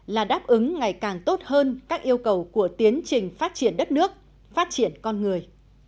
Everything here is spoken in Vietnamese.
là đáp ứng ngày càng tốt hơn các yêu cầu của tiến trình phát triển đất nước phát triển con người